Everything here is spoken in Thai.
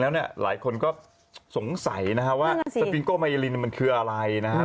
แล้วเนี่ยหลายคนก็สงสัยนะฮะว่าสปิงโก้มาเยลินมันคืออะไรนะฮะ